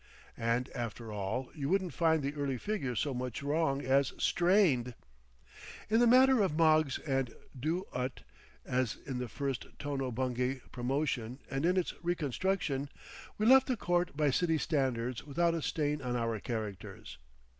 And after all, you wouldn't find the early figures so much wrong as strained. In the matter of Moggs and Do Ut, as in the first Tono Bungay promotion and in its reconstruction, we left the court by city standards without a stain on our characters.